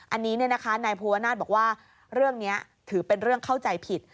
อันนี้นายภูวนาศบอกว่าเรื่องนี้ถือเป็นเรื่องเข้าใจผิด